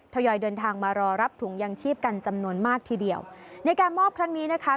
ทยอยเดินทางมารอรับถุงยางชีพกันจำนวนมากทีเดียวในการมอบครั้งนี้นะคะ